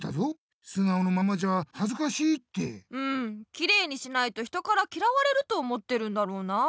きれいにしないと人からきらわれると思ってるんだろうなあ。